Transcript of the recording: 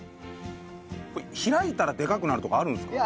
開いたらでかくなるとかあるんですか？